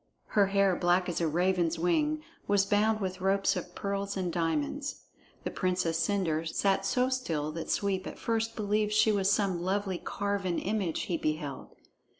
Her hair, black as a raven's wing, was bound with ropes of pearls and diamonds. The Princess Cendre sat so still that Sweep at first believed she was some lovely carven image he beheld.